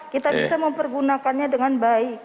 kita bisa mempergunakannya dengan baik